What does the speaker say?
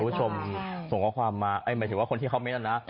คุณผู้ชมส่งวันความมาก็หมายถึงคนที่เขาคิดนะ